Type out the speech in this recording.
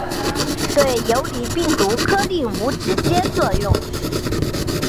对游离病毒颗粒无直接作用。